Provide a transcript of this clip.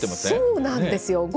そうなんですよ。